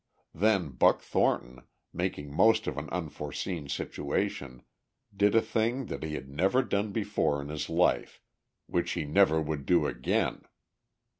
Then Buck Thornton, making most of an unforeseen situation, did a thing that he had never done before in his life, which he never would do again.